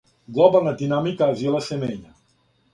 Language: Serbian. Глобална динамика азила се мења.